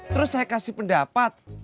terus saya kasih pendapat